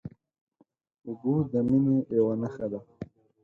اوبه د مینې یوه نښه ده.